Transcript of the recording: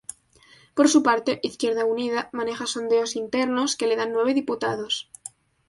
Por su parte, Izquierda Unida maneja sondeos internos que le dan nueve diputados.